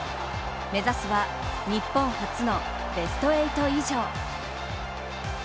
目指すは日本初のベスト８以上。